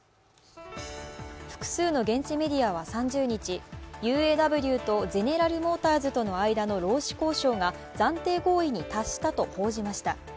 複数の現地メディアは３０日、ＵＡＷとゼネラルモーターズとの間の労使交渉が暫定合意に達したと報じました。